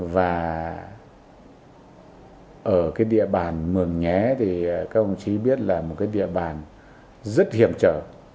và ở cái địa bàn mường nhé thì các ông chí biết là một cái địa bàn rất hiểm trở